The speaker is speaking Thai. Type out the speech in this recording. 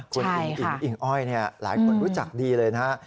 คุณหญิงอิ๋งอ้อยเนี่ยหลายคนรู้จักดีเลยนะคะ